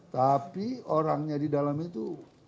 tapi orangnya di dalam itu